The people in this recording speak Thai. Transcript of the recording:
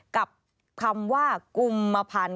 กับคำว่ากุมพันธ์